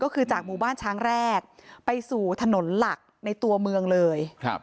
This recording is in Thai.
ก็คือจากหมู่บ้านช้างแรกไปสู่ถนนหลักในตัวเมืองเลย